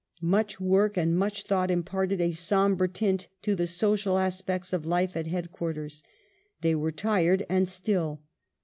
Much work and much thought imparted a sombre tint to the social aspects of life at headquarters." They were tired and still.